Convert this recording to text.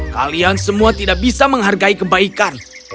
kalian semua tidak bisa menghargai kebaikan